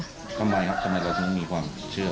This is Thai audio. ทำไมครับทำไมเราถึงมีความเชื่อ